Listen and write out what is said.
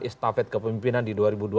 istafet kepemimpinan di dua ribu dua puluh empat